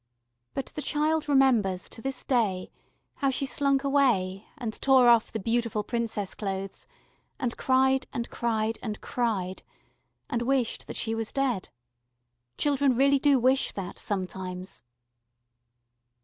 But the child remembers to this day how she slunk away and tore off the beautiful Princess clothes, and cried and cried and cried, and wished that she was dead. Children really do wish that, sometimes.